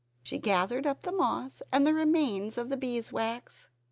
She gathered up the moss and the remains of the bees wax.